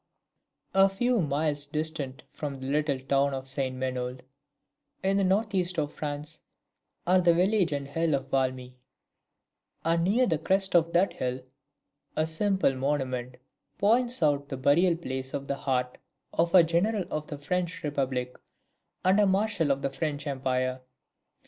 A few miles distant from the little town of St. Menehould, in the north east of France, are the village and hill of Valmy; and near the crest of that hill, a simple monument points out the burial place of the heart of a general of the French republic, and a marshal of the French empire.